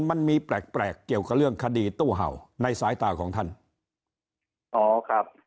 มันมีแปลกแปลกเกี่ยวกับเรื่องคดีตู้เห่าในสายตาของท่านอ๋อครับ